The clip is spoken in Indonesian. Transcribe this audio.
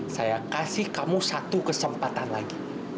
saya kasih kamu satu kesempatan lagi